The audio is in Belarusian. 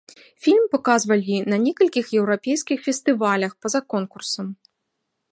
Фільм паказвалі на некалькіх еўрапейскіх фестывалях па-за конкурсам.